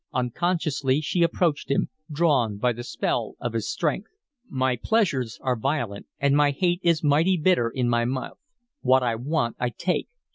Unconsciously she approached him, drawn by the spell of his strength. "My pleasures are violent and my hate is mighty bitter in my mouth. What I want, I take.